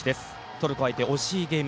トルコ相手の惜しいゲーム